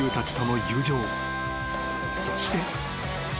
［そして］